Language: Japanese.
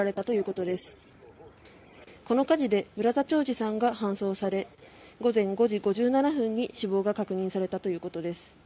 この火事で村田兆治さんが搬送され午前５時５７分に死亡が確認されたということです。